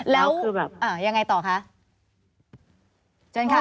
แล้วยังไงต่อค่ะเจอแล้วค่ะ